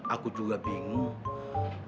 aku juga bingung